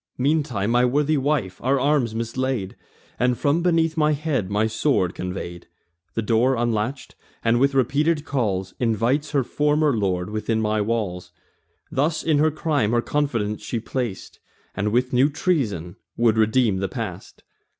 Meantime my worthy wife our arms mislaid, And from beneath my head my sword convey'd; The door unlatch'd, and, with repeated calls, Invites her former lord within my walls. Thus in her crime her confidence she plac'd, And with new treasons would redeem the past.